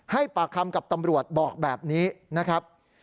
ให้ปากคำกับตำรวจบอกแบบนี้นะครับ